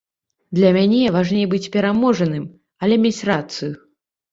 Для мяне важней быць пераможаным, але мець рацыю.